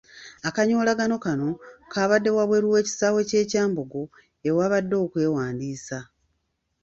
Akanyolagano kano kabadde wabweru w'ekisaawe ky'e Kyambogo ewabadde okwewandiisa.